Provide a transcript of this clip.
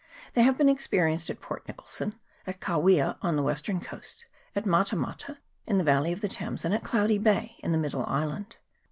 They have been experienced at Port Nicholson, at Kawia on the western coast, at Mata mata in the valley of the Thames, and at Cloudy Bay in the middle island.